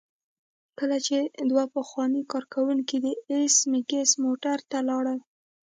کله چې دوه پخواني کارکوونکي د ایس میکس موټر ته لاړل